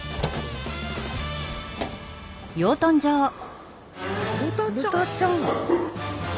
豚ちゃん？